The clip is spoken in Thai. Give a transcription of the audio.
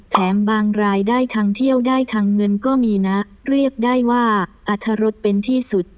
แถมบางรายได้ทางเที่ยวได้ทางเงินก็มีนะเรียกได้ว่าอรรถรสเป็นที่สุด